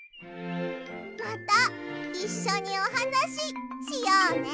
またいっしょにおはなししようね。